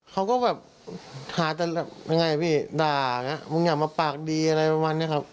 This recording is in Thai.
เขาก็แบบหาแต่แบบยังไงพี่ด่าอย่างนี้มึงอยากมาปากดีอะไรประมาณนี้ครับ